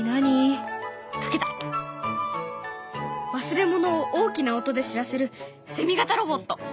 忘れ物を大きな音で知らせるセミ型ロボット。